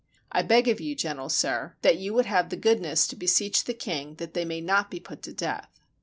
I beg of you, gen tle sir, that you would have the goodness to beseech the king that they may not be put to death."